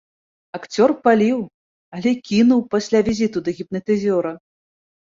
Акцёр паліў, але кінуў пасля візіту да гіпнатызёра.